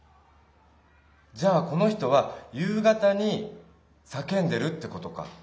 じゃあこの人は夕方に叫んでるってことか。